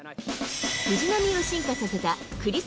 藤浪を進化させたクリス・